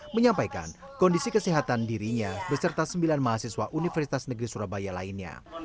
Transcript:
menyampaikan kondisi kesehatan dirinya beserta sembilan mahasiswa universitas negeri surabaya lainnya